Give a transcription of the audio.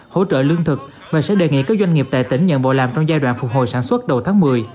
hỗ trợ lương thực và sẽ đề nghị các doanh nghiệp tại tỉnh nhận bộ làm trong giai đoạn phục hồi sản xuất đầu tháng một mươi